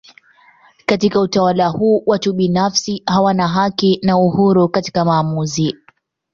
Katika utawala huu watu binafsi hawana haki na uhuru katika maamuzi.